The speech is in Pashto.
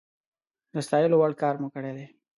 د ستايلو وړ کار مو کړی دی